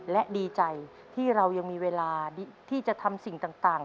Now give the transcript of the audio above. และดีใจที่เรายังมีเวลาที่จะทำสิ่งต่าง